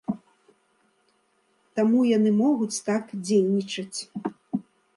Таму яны могуць так дзейнічаць.